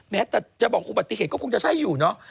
แม้แต่จะบอกอุบัติเหตุก็คงจะใช่อยู่เนอะ